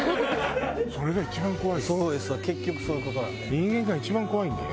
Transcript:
人間が一番怖いんだよ